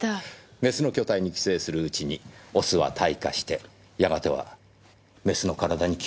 メスの巨体に寄生するうちにオスは退化してやがてはメスの体に吸収されるらしいですよ。